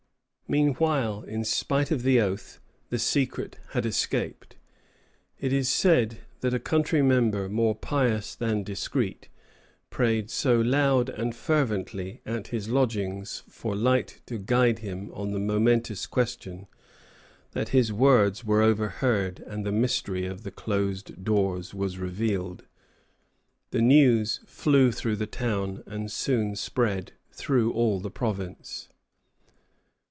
Meanwhile, in spite of the oath, the secret had escaped. It is said that a country member, more pious than discreet, prayed so loud and fervently, at his lodgings, for light to guide him on the momentous question, that his words were overheard, and the mystery of the closed doors was revealed. The news flew through the town, and soon spread through all the province.